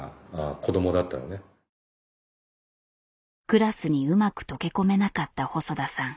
クラスにうまく溶け込めなかった細田さん。